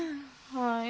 はい。